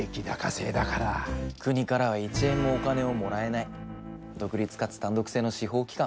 国からは一円もお金をもらえない独立かつ単独制の司法機関。